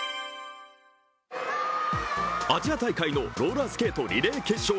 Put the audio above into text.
アジア大会のローラースケート・リレー決勝。